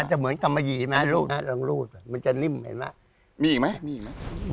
จะเหมือนกำไม่ยี่ไหมฮะลูกลองรูดมันจะนิ่มเห็นไหมมีอีกไหมมีอีกไหม